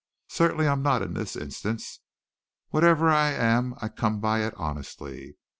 Certainly I'm not in this instance. Whatever I am I come by it honestly.